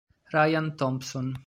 Ryan Thompson